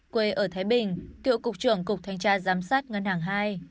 quê ở thái bình cựu cục trưởng cục thanh tra giám sát ngân hàng hai